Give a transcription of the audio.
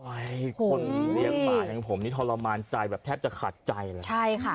อุ้ยคนเลี้ยงหมาจังผมนี่ทรมานใจแบบแทบจะขาดใจใช่ค่ะ